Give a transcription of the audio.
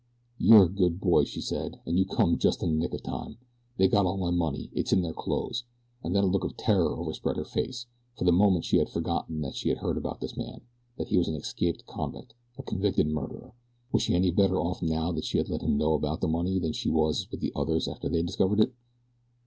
"You are a good boy," she said, "and you come just in the nick o' time. They got all my money. It's in their clothes," and then a look of terror overspread her face. For the moment she had forgotten what she had heard about this man that he was an escaped convict a convicted murderer. Was she any better off now that she had let him know about the money than she was with the others after they discovered it?